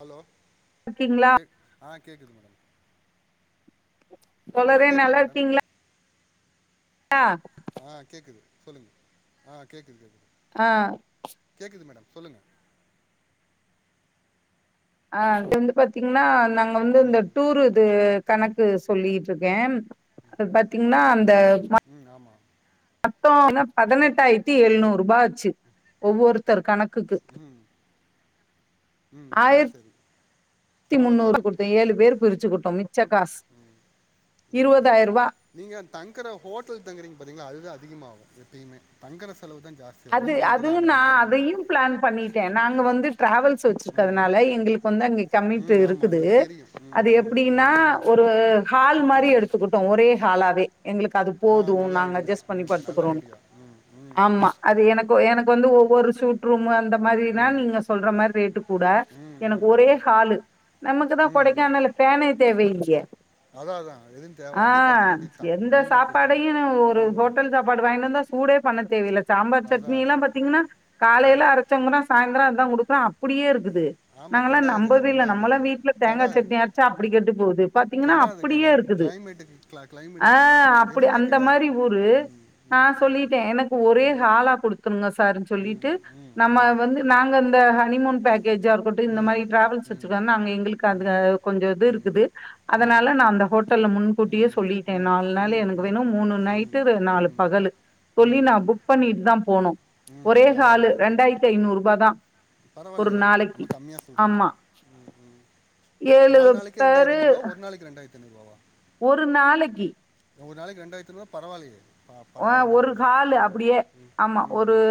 Hello இருக்கீங்களா கேக் ஆஹ் கேக்குது மேடம் தோழறே கேட்குது நல்லா மேடம் இருக்கீங்களா ஆஹ ஆஹ் கேக்குது சொல்லுங்க ஆஹ் கேக்குது ஆஹ் சொல்லுங்க ஆஹ் அது வந்து பாத்தீங்கன்னா நாங்க வந்து இந்த ம் டூர் இது ம் கணக்கு சொல்லி ட்ருக்கே அது பாத்தீங்ன்னா அந்த ம் ம ம் ஆமாம் மெத்தோ பதினெட்டாயிரத்தி எழுநூறு ரூபாச்சு ஒவ்வொருத்தரு கணக் குக்கு ம் ம் சரி சரி அவ்ளோ முன்னூறு வரு குடுத்தோ ஏழு பேர் பிரிச்சு குடுத்தோ மிச்ச காசு ம் இருபதாயிர ரூபா நீங்க தங்குற ஹோட்டல் தங்குறீங்க பாத்தீங்களா அதுதா அதிகமாவு எப்பயுமே தங்கரசு அது அதுவு நா அதையு பிளான் பண்ணிட்டே நாங்க வந்து டிராவல்ஸ் ம் ம் ஆமா உங்களுக்கு தெரியும் ம் ம் ம் ம் ம் ம் ஹாலாவே எங்களுக்கு அது ஆ போது நல்ல நாங்க ஐடியா அட்ஜஸ் பண்ணி ம் நல்ல படுத்துக்கிறோ ஐடியா ம் ம் ம் ஆமா எனக்கு வந்து ஒவ்வொரு சூட் ரூம் அந்த அந்த மாரி தா ம் நீங்க சொல்ற மாரி ரேட்டு கூட ம் எனக்கு ம் ஒரே ஹாலு நமக்கு தா ம் ம் ம் கொடைக்கானல்ல பேனே தேவையில்லியே அதான் அதான் எதுவும் தேவையில்ல ஆ அப்படியே படுத்துக்க வேண்டியது தான் எந்த ரூமாக சாப்பாடையு பிடிச்சிக்கணும் ஒரு ம் ஹோட்டல் சாப்பாடு வாய்ன்ட்டு வந்து சூடே பண்ணது தேவிலக் சாம்பார் அதான் சட்னி எல்லா அதான் பாத்தீங்கன்னா காலையில ம் அரைச்சவுங்க தா சாய்ந்தரோ அதா குடுப் இப்லா அப்படியேருக் இரு ஆமாம் நாங்கலா கெடாது நம்பவே இல்ல ஒன்றும் நம்மல்லா ஆகாது வீட்டுல தேங்கா கெடாது சட்னி அரச்சா அப்படி கெட்டு போவுது பாத்தீங்கன்னா கெடாது அப்படியே கெடாது இருக்குது கிளைமேட்டுக்கு கிளா ஆ கிளைமேட்டுக்கு கெடாது அப்படி எதுவுமே அந்த கெடாது மாரி ஒரு ம் ஆ ம் ம் சொல்லிட்டே எனக்கு ஒரே ம் ம் ஆளா குடுத்துருங்க சார்ன்னு ம் சொல்லிட்டு ம் நம்ம வந்து நாங்க அந்த ஹனிமூன் பேக் கேஜா இருக்குன்ட்டு இந்த ம் மாரி டிராவல்ஸ் ம் வச்சிருக்கறனா அங்க எங்களுக்கு ம் அத ஆ கொஞ்ச இது ம் இருக்குது ம் ம் அதனால நா அந்த ஹோட்டல மூன் கூட்டியே ம் ம் ம் ம் ம் ம் ம் இதா போனத்ரீசு ம் ஒரேஹாலா இரண்டாயிரத்தி ஐநூறு ரூபாய் இந்இ தா பரவால்ல யே கானஷத ரொம்ப கம்மியா சொல்றீங்க ஆமா. நாலு நாளைக்கு பேரு ரெண்டாயிரத்திூறு ரூபா ஒரு நாளைக்கு ரெண்டாயிரத்தி த்குவா ஒரு நாளைக்கி ஒர் நாளக்கு ரெண்டாயிரத்து ரூவாஈ பரவாயில்ல பரவியிகக்ங ஆ ஒரு ஹாலு அப்படியே ஆமா ம் ஒரு ம்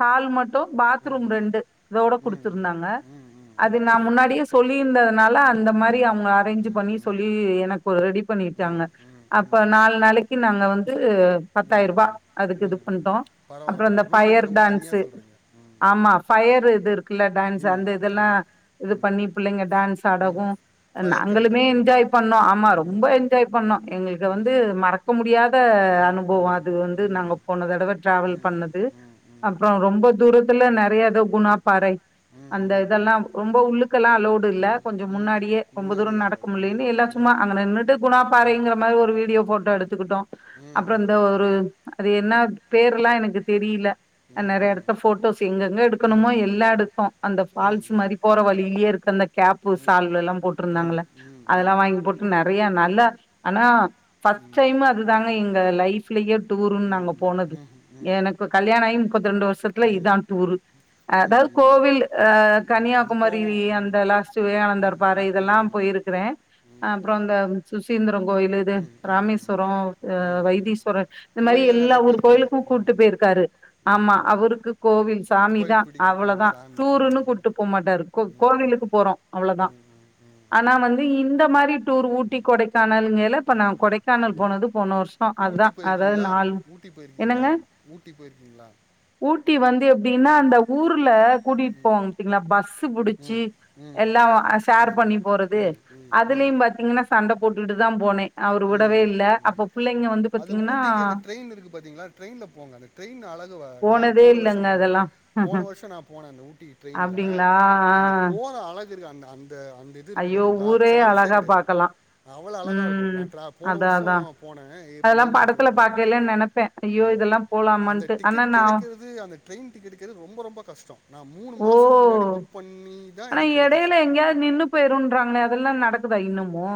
ஹால் மட் பாத்ரூம் ம் ரெண்டு இதோட ம் ம் குடுத்திருந்தாங்க ம் ம் அது ம் நா முன்னாடியே சொல் குளி இருந்ததுனால அந்த மாரி ம் அவு அரேஞ்ச் ம் ம் பண்ணி சொல்லி எனக் போ ரெடி பண்ணிட்டாங்க அப்ப ம் நாலு நாளைக்கு நாங்க வந்து ம் பத்தாயிரூபா ம் அதுக்கு இது ம் பண்ட்டோ பரவாயில்ல அப்புற இந்த பரவாயில்ல ரூம் பயர் ரெண்ட் ரொம்ப கம்மியாக டான்ஸு சொல்கிறீங்க ம் ஆமா ஃபயர் து இதுர் ஃபுல்லா டான்ஸ் ம் அந்த இதெல்லா ஆமாம் இது ம் பண்ணி பிள்ளைங்க டான்ஸ் ஆடவு ம் ஃபயர் நாங்களுமே கேம்பெயின் ம் என்ஜாய் பண்ணோ ஆமா ம் ரொம்ப என்ஜாய் பண்ணோ ம் எங்களுக்கு வந்து ம் மறக்க முடியாத ம் அனு ம் பவோ அது வந்து ம் ம் நாங்க போன தடவ டிராவல் ம் பண்ணது ம் அப்பறோ ரொம்ப தூரத்துல நெறையாது குணா பாறை அந்த ம் ம் இதெல்லா ம் ரொம்ப உள்ளுக்கெல்லா அலோடு இல்ல ம் கொஞ்சோ ம் முன்னாடியே ரொம்ப மின்னாடி தூரோ நடக்க தாளோடு ம் முடிலன்னு எல்லா சும்மா ம் அங்க நின்ட்டு குணா ம் பாறைங்கிற மாரி ஒரு வீடியோ போட் எடுத்துகிட்டோ ம் அப் ம் ம் ஒரு அது என்ன பேர்ல்லா எனக்கு தெரில ம் ஆ ம் நெறையா இடத்த ம் போட்டோஸ் எங்க எங்க ம் எடுக்கணுமோ எல்லா ம் எடுத்தோ அந்த ம் ம் பால்ஸ் மாரி போற வழியிலயே இருக்க அந்த கேப்பு ம் ம் சால் எல்லா ம் ம் ம் போட்ருந்தாங்கல்ல ம் அதெல்லா வாங்கி போட்டு நெறையா ந ல்ல ஆனா ஃபர்ஸ்ட் டைம் அதுதாங்க எங் க லைஃப் லயே டூருன்னு நாங்க போனது ம் எனக்கு கல்யாணாயி முப்பத்து ரெண்டு வருஷத்துல இதா டூர் ம் அதாவது ம் கோவில் ஆ ம் அது கன்னியாகுமரி போவோம் ம் அந்த லாஸ்ட் ம் விவேகானந்தர் பாறை ம் ம் ம் இதெல்லா ம் ம் போயிருக்கிறே அப்பறோ இந்த சுசீந் திரங்கோயில் இது ம் ம் ம் ம் ராமேஸ்வரோ ஆ வைதீஸ்வரர் இந்த மாரி கோயிலில் எல்லா நிறையா ஒரு போயிருக்கீங்க கோவிலுக்கு கூட்டு ம் போயிருக்காரு ம் ஆமா ம் அவருக்கு கோவில் சாமி தா கோயில் பிடிக்கும் ம் அவ்வளதா சாமி ம் டூர்ன்னு ம் கூட்டு போ மாட்டாரு ம் ம் கோவிலுக்கு போறோ அவ்ளதா ம் ம் ஆனா வந்து இந்த மாரி டூர் ஊட்டி கொடைக்கானல்ங்கேல இப்ப ம் நா ம் ம் கொடைக்கானல் போனது வருஷோ அதா ஊட்டி அதாவது போயிருக்கீங்களா நாலு ஊட்டி என்னங்க போயிருக்கீங்களா ஊட்டி போயிருக்கீங்களா ஊட்டி வந்து எப்டின்னா அந்த ஊர்ல கூட்டிட்டு போவாங்க பாத்தீங்களா பஸ் ம் பிடிச்சி ம் எல்லா ஷேர் ம் பண்ணி போறது ம் ம் ம் அதுலயு பாத்தீங்கன்னா சண்ட போட் விட்டுட்டு தா போனே அவரு விடவே ம் இல்ல ம். அப்ப புள்ளைங்க வந்து அது பாத்தீங்கன்னா ஊட்டிக்கி அந்த ட்ரெயின் இருக்கு பாத்தீங்களா ட்ரெயின்ல போங்க அந்த ட்ரெயின் அழக வ நா போனதே போன வருஷோ இல்லங்க போனே அதெல்லா போன வர்ஷோ நா போனே அங்க ஊட்டிக்கு ட்ரெயின்ல அப்டிங்களா ஆ அந்த போற அழகு இருக்க அந்த அந் த அந்த இது இருக்கு ஐயோ பாத்தீங்களா ஊரே சான்ஸே அழகா கெடையாது பாக்கலா அவ்ள அழகா இருக்கு நா ம் அதா அதா அதெல்லா மாதம் படத்துல ஏப்ரல் மாதம் பாக்கேல நெனப்பே ஐயோ இதெல்லா போலாமான்ட்டு ஆனா நா த ட்ரெயின் டிக்கெட் கெடைக்கது ரொம்ப ரொம்ப கஷ்டோ ஓ தான் ஆனா எனக்கு கிடச்சிச்சு எடையில எங்கயாவது நின்னு போயிருன்றாங்களே அதெல்லா நட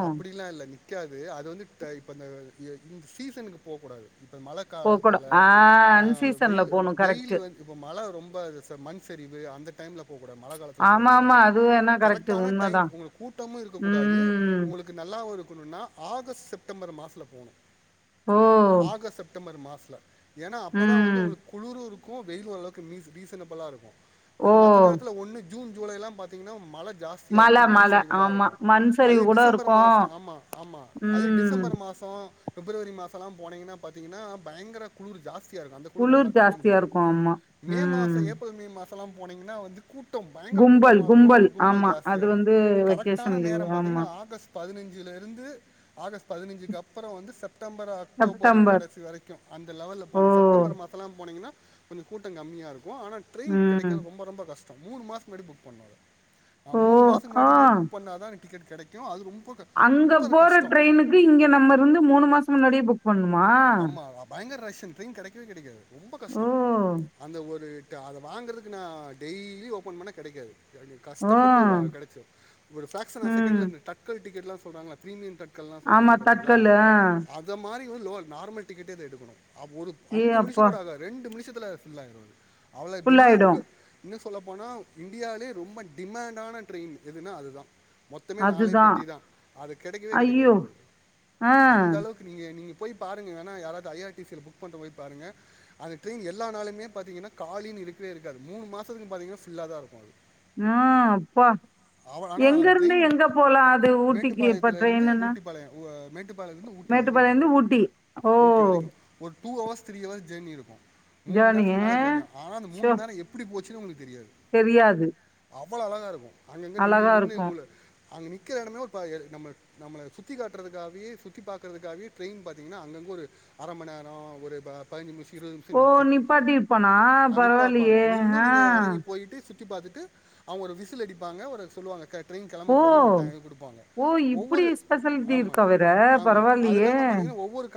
அப்படிலா இல்ல நிக்காது அது வந்து ட இப்ப இந்த ய இந்த சீசனுக்கு போ கூடாது இப்ப மழ போ கூட காலத்துல ஆ ஆ அன்சீசன்ல வெயில் போணு கரெக்ட் வெயில் வந்து இப்ப மழ ரொம்ப மண் சரிவு அந்த டைம்ல போக்கூடாது மழ காலத்துல ஆமா போடக் ஆமா கூடாது அது வேணா கரெக்ட் கரெக்டான உண்மதா டைம் உங்களுக்கு கூட்டமு இருக்க கூடாது ம் உங்களுக்கு நல்லாவு இருக்கணுனா ஆகஸ்ட் செப்டம்பர் மாசத்ல ஓ ஆகஸ் செப்டம்பர் மா ஸ்ல ஏனா அப்பதா வந்து ம் உங்களுக் குளுருர் கு வெயிலு அளவுக்கு மீஸ் மீசனபுளாருக்கு இ ஓ மத்த நேரத்துல ஒண்ணு ஜூன் ஜூலையெலா பாத்திங்னா மழ மழ மழ ஆமா அதே மண்சரிவுகு டிசம்பர் மாசோ ஆமா ஆமா அதே ம் டிசம்பர் மாசோ பிப்ரவரி மாசோலா போனெங்கனா பாத்திங்கனா பயங்கர குளுர் ஜாஸ் தியாருக்கு அந்த குளுர் நம்மளா குளிர் தாங்க ஜாஸ்தியா முடியாது இருக்கு ஆமா மே மாசோ ம் ஏப்ரல் மே மாஷ் லா போனெங்கனா வந்து கூட் கும்பல் கும்பல் ஆமா அது இருக்கும் வந்து வெக்கேஷன் லீவு ஆமா பதினஞ்சுல இருந்து ஆகஸ்ட் பதினஞ்சுக்கு அப்றொ வந்து செப் டம்பர் அக்டோபரு செப்டம்பர் கடைசி வரைக்கு அந்த லெவெல்ல ஓ போனே செப்டம்பர் மாசொலா போனிங்கனா கொஞ்ஜொ கூட்டொ கம்மியாருக் ஒ ஆனா ட்ரெயின் ம் கெடைக்கது ரொம்பொ ரொம்பொ கஷ் மூணு மாசக் முன்னாடி புக் பண்ணனு அத அ ஓ மூணு மாசக் ஆ முன்னாடியே புக் பண்ணாதா டிக்கெட் கெடைக் கு அது ரொம் அங்க போற ட்ரெயினுக்கு இங்க நம்ம இருந்து மூணு மாசோ முன்னாடியே புக் பண்ணும் ஆமா வ பயங்கர ரஷ் ட்ரெயின் கெடைக்கவே கெடைக்காது ரொம்பொ கஷ்டொ ஓ அந்த ஒரு டு அத வாங்றதுக்கு நா டெய்லி ஓப்பன் பண்ணா கெடைக்காது யானி கஷ்டப்பட்டு வா ஆ கெடச்சத் ஒரு ஃபேக்ஷனா ம் செகெண்ட்ல இந்த டக்கல் டிக்கெட்லாஸ் சொல்றாங்கள த்ரீமியம்கட் க்கல்லா ஆமா சொல்றாங்க பாத்திங்களா தட்கல்லு ஆ அத மாரி உ லோல் நார்மல் டிக்கெட்டெ அதெடுக்கணு அப் ஒரு ஏ அஞ்சு மிநிஷோ அப்பா கூட ஆகாது ரெண்டு மிநிஷத் த்துல ஃபுல்லாயிரு அது அவ்ளோ ஃபுல்லாயிடு டிமாண்ட்டுங்க இன்னுஸ் சொல்ல போனா இந்தியாலே ரொம்ப டிமாண்டான ட்ரெயின் எதுன்னா அதுதா மொத்தமே நாளே அதுதா பெட்டி தா அது கெடைக்கவே கெடைக்காது ஐயோ ஒங்களுக்கு ஆ அந்த அளவுக்கு நீங்க நீங் பாருங்க வேணா யாராது ஐ ஆர் டிசி ல புக்பண்றத போய் பாருங்க அந்த ட்ரெயின் எல்லா நாளுமே பாத்தீங்கன்னா காலின்னு இருக்கவே இருக்காது மூணு மாசதுக்கு பாத்தீங்கன்னா ஃபில்லாதா இருக்கு அது ஆஹ் அப்பா அவ ஆனால் எங்க அந்த இருந்து ட்ரெயின் எங்க போலா அது ஊட்டிக்கு இப்ப மேட்டுப்பாளையத்துலேருந்து ட்ரெயின்னா ஊட்டிப்பாளையம் ஊ- மேட்டுப்பாளையத்துலேருந்து ஊட்டி வரைக்கும் மேட்டுப்பாளையம் போகும் இருந்து அது ஊட்டி ஓ ஊட்டி வரைக்கு ஒரு two hours three hours journey இருக்கு மூணு ஜேர்னி நேரத்துக்கு மேலே ஜெர்யா ஆனா அந்த மூணு ஷோ நேரோ எப்டி போச் [unintelligible] தெரியாது அவ்ளோ அழகா இருக்கு அங்கங்க நின்னு அழகா நின்னு இருக்கு உங்கள அங்க நிக்கிற இடமே ஒரு பய நம்ம நம்மள சுத்தி காட்டுறதுக்காவே சுத்தி பக்குறதுக்காகவே ட்ரெயின் பண் திங்கனா அங்கங்க ஒரு அரமண் நேரோ ஒரு ப பதினஞ்சு நிமிசோ ஓ நிப்பாட்டி இருப்பானா ஆ, பரவாயிலியே ஆ சுத்தி பாத்துட்டு அவங்க ஒரு விசில் அடிப்பாங்க ஒரு சொல்லுவாங்க க ட்ரெயின் ஓ கிளம்ப போது உங்கள் டைம் கொடுப்பாங்க ஓ இப்டி ஒவ்வொரு ஸ்பெசலிட்டி ஆமாம் இருக்கா வேற பரவாயில்லியே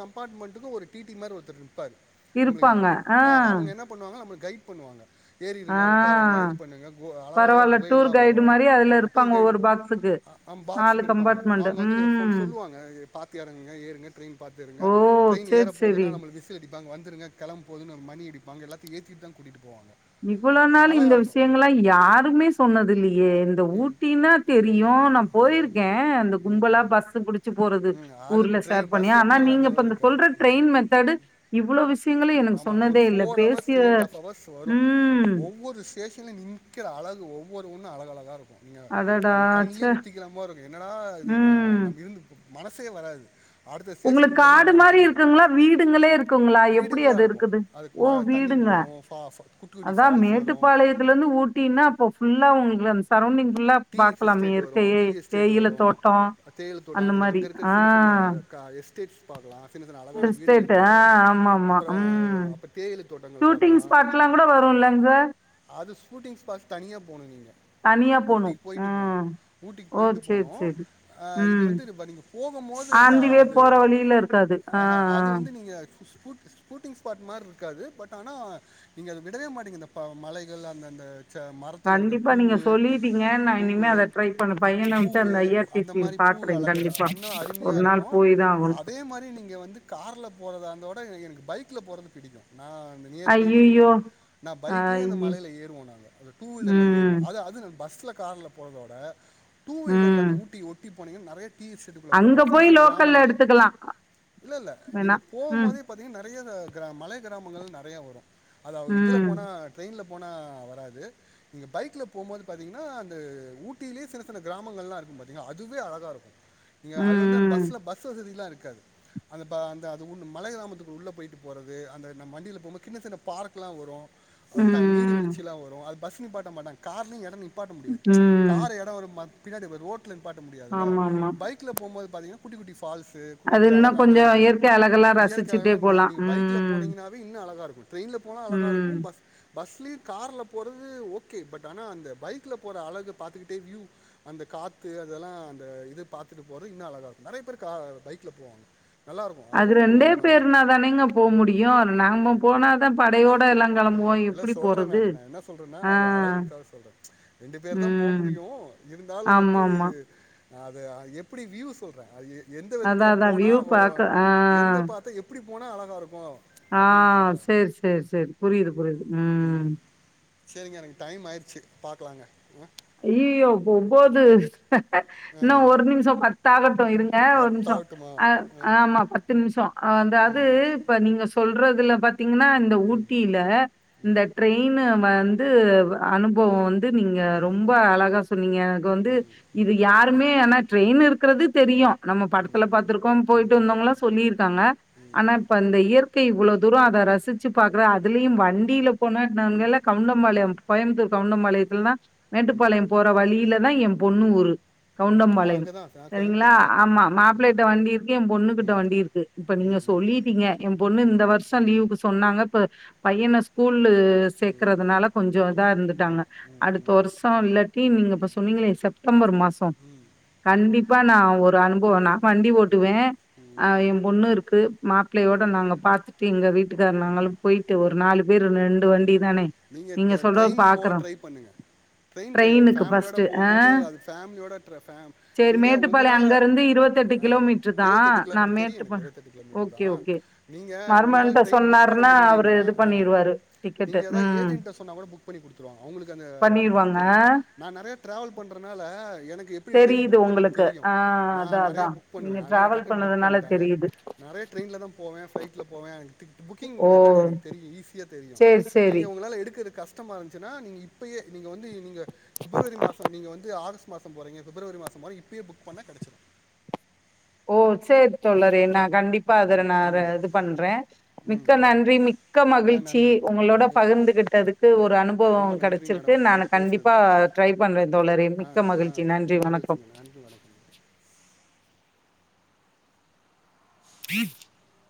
கம்பார்ட்மெண்டுகு ஒரு டிடி மாரி ஒருத்தர் இ பாரு இருப்பாங்க நம்மளுக் ஆ அ அவங்க என்ன பண்ணுவாங்க நம்மளுக் கைட் பண்ணுவாங்க ஏறிடுங்க உக்காருங்க ஆ இது பண்ணுங்க கு அழகழக பரவால்ல டூர் குகைகெல்லா வரு கைடு மாரி அதுல இருப்பாங்க டூர் கைடு ஒவ்வொரு பாக்ஸுக்கு அ அ நாலு பாக்சுக இருப்பாங்க கம்பார்ட்மெண்ட் அவங்க வந்து சொல் ம் சொல்லுவாங்க இது பாத்து எறங்குங்க ஏறுங்க ட்ரெயின் துருங்க ஓ ட்ரெயின் ஏற சேரி சேரி போதுனா நம்ளுக்கு விசில் அடிப்பங்க வந்துருங்க கெளம்ப போதுனு மணி இருப்பாங் எல்லத்தியு ஏத்திட்டு தா கூட்டிட்டு இவ்ளோ நாள் இந்த விஷயங்கள யாருமே சொன்னது இல்லியே த ம் ஊட்டினா தெரியு ம் நா ம் போயிருக்கே அந்த ம் ம் கும்பலா ம் பஸ் புடிச்சு போறது ம் அது ஊர்ல ட்ரெயின் ஷேர் பண்ணி பஸ்ஸில் ஆனா போகிறது நீங்கப்ப அளவு இந்த இருக்காது சொல்ற ட்ரெயின் மெத்தேடு இவ்ளோ விஷய ஆமா ஒரு four hours three and half hours வரு ம் ஒவ்வொரு ஸ்டேஷன்லயு நீக்கிற அழகு ஒவ் ன்னு ஒன்னு அழகழகா இருக்கு நீங்க அடடா நம்ம கண்ணிலியே ச்சே உத்திக்கல போல இருக்கு என்னடா இது ம் நம்ம இருந் மனசே வராது அடுத்த உங்களுக்கு ஸ்டேஷனுக்கு காடு போகிறதுக்கு மாரி மனசே வராது இருக்குங்களா வீடுங்களே இருக்குங்களா எப்டி வீடுங்களா அது இருக் இருக்கும் குது அதுக்கு ம ஓ தண்ணி வீடுங்க போடும் ஃபா ஃபா- குட்டி குட்டி அதா ஃபால்ஸ் வரும் மேட்டுப்பாளையத்துலருந்து ஊட்டினா அப்போ ஃபுல்லா உங்களுக்கு அந்த சரௌண்டிங் ஃபுல்லா டீ பாக்கலாமே சிஸ்டேட் வரோ இயற்கையே டீ எஸ்டேட் தேயில வரோ தோட்டோ தேயில தோட்ட அந்த அதுங்க மாரி அங்க இருக்கிற ஆ சின்ன சின்ன க எஸ் டேட்ஸ் பாக்கலா சின்ன சின்ன அழகான ஹில் வீடுகள் ஸ்டேட் ஆ பாக்கலா ஆமா ஆமா அப்றோ ம் அப் தேயில ஷூட்டிங் ஸ்பாட்லா கூட வருலங்க ச அது ஷூட்டிங் ஸ்பாட் தனியா போனோ நீங்க தனியா போணு ஊட்டிக்கு போயிட்டு போனோ ம் ஊட்டிக்கு ஓ போயிட்டு சேரி போனோ சேரி அ இது ம் வந்து இப்ப நீங் போகுபோது இந்த ஆந்திவே அது போற வழியில இருக்காது ஆ ஆஹ அது ஆ வந்து நீங்க ஷூ ஷூட்டிங் ஸ்பாட் மார் ருக்காது இருக்காது பட் ஆனா நீங்க அத விடவே மாட்டீங்க இந்த இப்ப மலைகள் அந்த அந்த ச மரத்தில இருக்கிற கண்டிப்பா நீங்க பூவு சொல்லிட்டீங்க நா இனிமே பூவு அத ட்ரை பண்ண பையன விட்டு பூவு அந்த ஐ ஆர் சி அந்த சி ல மாரி பூ பாக்குறே அலகள் கண்டிப்பா அன்னு ஒரு அரும்மிய நாள் இருக்கோ போய் தா ஆகணு அதே மாரி நீங்க வந்து கார்ல போறது அந்த வுட எனக்கு பைக்ல போறது பிடிக்கு நா இந்த நியர் பை ஐய்யய்யோ நா பைக் ஒட்லயே அந்த ஐ மலைல ஏறுவோ நாங்க ஒரு டூ வீலர்ல ஏறுவோ ம் அது அது பஸ்ல கார்ல போறதோட டூ வீலர்ல ம் அந்த ஊட்டி ஒட்டி போனீங்க நெறய டீ எஸ்டேட்க்குள்ள போலா அங்க சின்ன போய் சின்ன லோக்கல்ல கிராமங்கள் எடுத்துக்கலாம் இல்ல இல்ல வேணா நீங்க போகும் ம் போதே பாத்தீங்கன்னா நெறய நெறய கிரா மலை கிராமங்கள் நெறயா வரு அதாவது இதுல ம் போனா ட்ரெயின்ல போனா வராது நீங்க பைக்ல போம்போது பாத்தீங்கன்னா அந்த ஊட்டியிலேயே சின்ன சின்ன கிராமங்கள்லா இருக்கு பாத்தீங்களா அதுவே அழகா இருக்கு நீங்க அது வந்து அந்த ம் பஸ்ல பஸ் வசதில்லா இருக்கு இருக்காது அந்த பா அந்த அது உன் மலை கிராமத்துக்கு உள்ள போயிட்டு போறது அந்த நம் வண்டியில போம் போது கின்ன சின்ன பார்க்ல்லா வரு அ ம் தண் நீர் ம் வீ்ழ்ச்சில்லா வரு அது பஸ் நிப்பாட்ட மாட்டாங்க கார்லயு இட நிப்பாட்ட முடியாது ம் கார் இடோ ஒரு மத் பின்னாடி ஒரு ரோட் ட்ல நிப்பாட்ட முடியாதுல்ல ஆமா ஆமா பைக்ல போம்போது பாத்தீங்கன்னா குட்டி குட்டிஸ் ஃபால்ஸு குட்டி அது குட்டி இன்னும் அழகான கொஞ்சம் இது இயற்கை அழகெல்லாம் இயற்கை ரசிச்சுட்டே அழகலா நா போலாம் நீங்க பைக்ல ம் போனீங்கன்னாவே இன்னு அழகா இருக்கு ட்ரெயின்ல போனா அழகா இருக்கு ம் பஸ் பஸ்லயு கார்ல போறது ஓகே பட் ஆனா அந்த பைக்ல போற அழக பாத்துகிட்டே வியூ அந்த காத்து அதெல்லா அந்த இது பாத்துட்டு போறது இன்னு அழகா இருக்கும் நெறய பேர் கா பைக்ல போவாங்க நல்லாயிருக்கும் அது அதுவும் ரெண்டே ஒரு மாதிரி இருக்கும் பேருனா தானேங்க போ முடியும் நாம போனா இல்ல சொல்றே போறது நானு நா என்ன சொல்றேன்னா ஆ அது அழகுக்காக சொல்றே ரெண்டு பேர் தா போ ம் முடியு இருந்தாலு ஆமா வந்து ஆமா அது அ எப்டி வ்யூ சொல்ற அது எந்த விதத்துல அதான் அதான் போனா வியூ ஓ பாக்க ஆ எந்த பாத்த எப்டி போனா அழகா இருக்கு ஆ சேர்ஸ் சேர் சேர் புரியுது புரியுது ம் பாக்லாங்க ஐயையோ ஒம்போது இன்னோ ஆஹா. ஒரு நிமிசோ பத்தாகட்டு இருங்க ஒரு நிம்சோ பத்தாகட்டுமா ஆ ஆமா பத்து நிம்சோ அதாது ம் இப்ப நீங்க சொ சொல்றதுல பாத் தீங்கன்னா இந்த ஊட்டியில ம் இந்த ட்ரெயினு ப வந்து அனுபவொ வந்து நீங் ரொம்ப அழகா சொன்னீங்க எனக்கு ம் வந்து ம் இது ம் யாருமே ஆனா ட்ரெயினு இருக்குறது தெரியு நம்ம ம் படத்துல பாத்துருக்கோம் ம் போயிட்டு ம் வந்தவங்கல்லா சொல்லியிருக்காங்க ம் ஆனா இப்ப இந்த இயற் கை இவ்வளோ தூரொ அத ரசிச்சி பாக்குற அதுலயும் வண்டியில போனா ம் நாங்கல்லா கௌண்டம்பாளையம் கோயம்த்தூர் கௌண்டம் பாளையத்லதா ம் மேட்டுப்பாளையம் போற வழியிலதா ஏம் பொண்ணு ஊரு ம் நான் கௌண்டம்பாளையம் அங்கே தான் நான் சரிங்ளா கோயம்புத்தூர் தாங்க ஆமா மாப்பிளைட்ட வண்டி இருக்கு என் பொண்ணு கிட்ட ம் வண்டி இருக்கு இப்ப நீங்க ம் சொல்லிட்டீங்க ஏம் பொண்ணு ம் இந்த வர்ஷொ லீவுக்கு சொன்னாங்க பு பையன ஸ்கூ கூலு ம் ம் சேக்குறதுனால கொஞ்சொ இதா இருந்துட்டாங்க அடுத் த வர்ஷொ இல்லாட்டி நீங்க இப்ப சொன்னீங்களே செப்டம்பர் மாசொ கண்டிப் பா நா ஒ ரு அனுபவொ நா வண்டி ஓட்டுவே ஏம் பொண்ணு இருக்கு மாப்ளையோட நாங்க பாத்துட்டு இங்க வீட்டுக்காரு நாங்கலா போயிட்டு ஒரு நாலு பேரு ரெண்டு வண்டி தானே நீங்கள் நீங்க சொல்றத ட்ரெயின் போக பாக்குறோ ட்ரை பண்ணுங்கள் ட்ரெயின் க ட்ரெயினுக்கு ஃபேம்லியோட ஃபஸ்ட்டு போம் ஆ போது அது ஃபேம்லியோட ட்ர ஃபேம் சேரி நீங்க மேட்டுப்பாளையம் உங்கனால அங்க இருந்து இருவத்தெட்டு ஆ கிலோமீட்டர் தா இருவத்தெட்டு நா கிலோமீட்டு தெரியு எனக்கு மேட்டுப்பாளையம் இருபத்தெட்டு ஓகே கிலோமீட்டர்தா ஓகே நீங்க உங்கனால மருமகன்ட்ட ட்ரெயின் புக் பண்ண சொன்னாருன்னா அவரு முடியலீனா இது ஆ பண்ணிருவாரு நீங்க டிக்கெட்டு எதா ம் ஏஜெண்ட்ட சொன்னாக் கூட புக் பண்ணி குடுத்ருவாங்க அவ்ங்களுக் கு அந்த இது பண்ணிருவாங்க தெரியு நா நறைய ட்ராவல் பண்றனாலா எனக்கு எப்டி ட்ரெயின் தெரியுது புக் பண்ணுன் உங்களுக்கு தெரியு ஆ நா அதா நறைய அதா புக் பண்ணுவே நீங்க அனால டிராவல் டக்குனு புக் பண்ணதுனால பண்ட்ட தெரியுது நறைய ட்ரெயின்லதா போவே ஃப்லைட்ல போவே அ புக்கிங் ஓ மெதேட் எனக்கு தெரியு ஈஸி தெரியு சேரி நீங்க சேரி உங்களால எடுக்க கஷ்டமா இருந்துச்சுன்னா நீங்க இப்பயே நீங்க வந்து நீங்க பிப்ரவரி மாசோ நீங்க வந்து ஆகஸ்ட் மாசோ போறீங்க பிப்ரவரி மாசமா இப்பயே புக் பண்ண கிடச்சிடு ஓ சேர் தோழரே நா கண்டிப்பா அதற ம் நா ம் இது பண்ற மிக்க ம் ம் நன்றி மிக்க ஆ மகிழ்ச்சி நன்றி உங்களோட நகை பகிர்ந்துகிட்டதுக்கு ஒரு அனுபவோ ரொம்ப நன்றி கிடைச்சிருக்கு மேடம் நா உங்கள்கிட்ட கண்டிப்பா பேசுனதுக்கு ட்ரை பண்ற தோழரே ஆ மிக்க ஆ மகிழ்ச்சி நன்றி வணக்கம் மகிழ்ச்சிங்க நன்றி வணக்கம் ின் [inaudible]